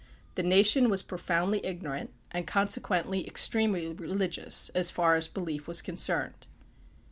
The nation was profoundly ignorant, and consequently extremely religious, so far as belief was concerned.